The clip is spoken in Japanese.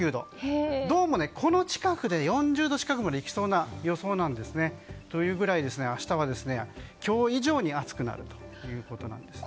どうも、ここらへんで４０度近くまでいきそうな予想なんですね。というぐらい明日は今日以上に暑くなります。